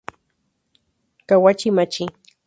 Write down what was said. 河内町 Kawachi-machi